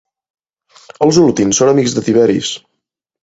Els olotins són amics de tiberis.